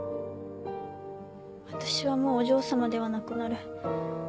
私はもうお嬢様ではなくなる。